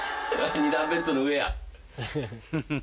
２段ベッドの上や。